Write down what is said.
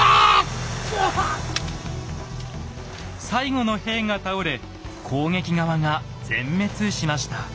最後の兵が倒れ攻撃側が全滅しました。